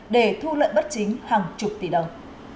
để thu lợi bất chính hàng chục tỷ đồng